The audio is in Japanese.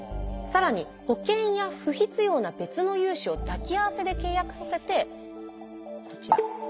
更に保険や不必要な別の融資を抱き合わせで契約させてこちら。